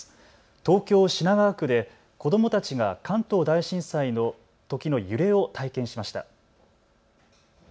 東京品川区で子どもたちが関東大震災のときの揺れを体験しました。